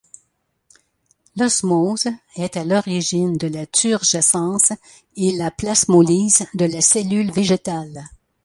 L’osmose est à l’origine de la turgescence et la plasmolyse de la cellule végétale.